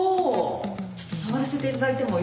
ちょっと触らせていただいてもよろしいですか？